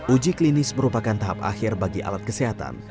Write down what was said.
uji klinis merupakan tahap akhir bagi alat kesehatan